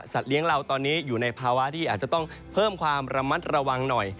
เลี้ยงเราตอนนี้อยู่ในภาวะที่อาจจะต้องเพิ่มความระมัดระวังหน่อย